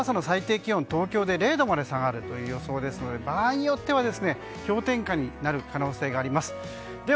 明日の朝の最低気温、東京で０度まで下がる予想ですので場合によっては氷点下になる可能性があります。